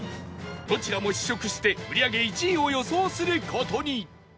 どちらも試食して売り上げ１位を予想する事に